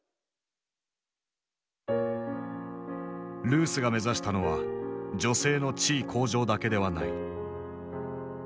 ルースが目指したのは女性の地位向上だけではない。